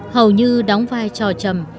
hầu như đóng vai trò chầm